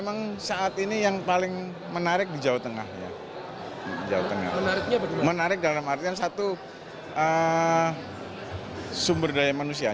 makanya di sana lebih tertarik di sumber daya manusia